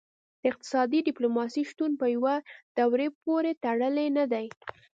د اقتصادي ډیپلوماسي شتون په یوې دورې پورې تړلی نه دی